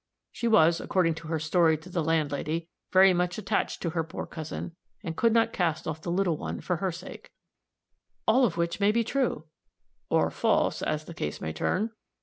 She was, according to her story to the landlady, very much attached to her poor cousin, and could not cast off the little one for her sake." "All of which may be true " "Or false as the case may turn."